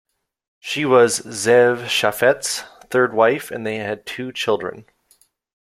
She was Ze'ev Chafets third wife and they had two children.